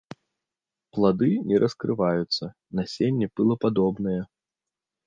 Плады не раскрываюцца, насенне пылападобнае.